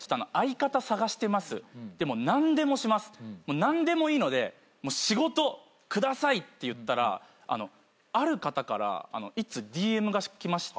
何でもいいので仕事下さいって言ったらある方から１通ＤＭが来まして。